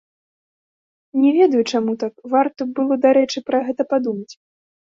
Не ведаю, чаму так, варта б было, дарэчы, пра гэта падумаць.